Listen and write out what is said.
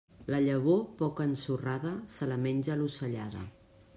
La llavor poc ensorrada, se la menja l'ocellada.